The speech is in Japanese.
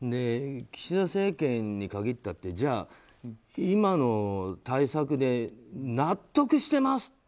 岸田政権に限ったってじゃあ、今の対策で納得してます！